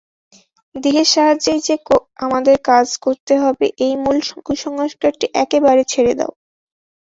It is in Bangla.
দেহের সাহায্যেই যে আমাদের কাজ করতে হবে, এই মূল কুসংস্কারটি একেবারে ছেড়ে দাও।